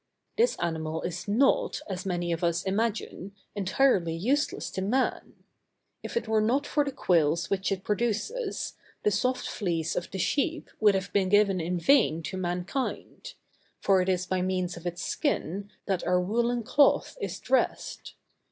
This animal is not, as many of us imagine, entirely useless to man. If it were not for the quills which it produces, the soft fleece of the sheep would have been given in vain to mankind; for it is by means of its skin, that our woollen cloth is dressed.